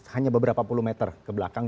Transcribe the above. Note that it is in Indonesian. hanya beberapa puluh meter ke belakang